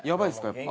やっぱ。